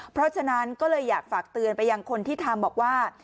เพราะฉะนั้นก็เลยอยากฝากเตือนไปยังคนที่ทำบอกว่า